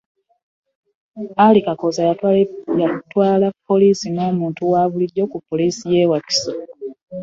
Ali Kakooza, y'atwala poliisi n'omuntu wa bulijjo ku poliisi y'e Wakiso